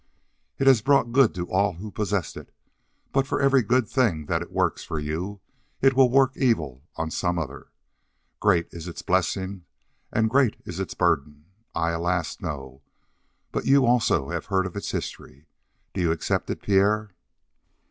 "It has brought good to all who possessed it, but for every good thing that it works for you it will work evil on some other. Great is its blessing and great is its burden. I, alas, know; but you also have heard of its history. Do you accept it, Pierre?"